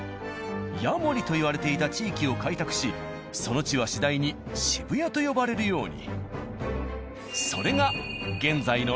谷盛といわれていた地域を開拓しその地は次第に渋谷と呼ばれるように。